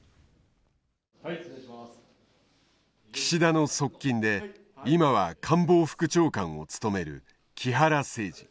岸田の側近で今は官房副長官を務める木原誠二。